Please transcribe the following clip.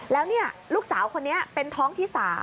แล้วลูกสาวคนนี้เป็นท้องที่๓